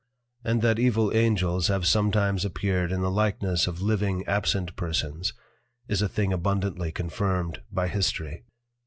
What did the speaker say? And that evil Angels have sometimes appeared in the likeness of living absent persons, is a thing abundantly confirmed by History.